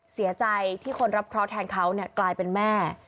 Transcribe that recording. เสียใจที่คนรับเคราะห์แทนเขากลายเป็นแม่